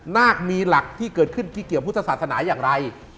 นาคมีหลักที่เกิดขึ้นที่เกี่ยวพุทธศาสนาอย่างไร